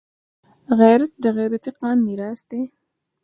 غیرت د غیرتي قام میراث دی